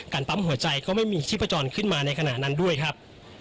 ปั๊มหัวใจก็ไม่มีชีพจรขึ้นมาในขณะนั้นด้วยครับ